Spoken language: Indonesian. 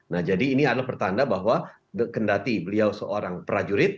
nah jadi ini adalah pertanda bahwa kendati beliau seorang prajurit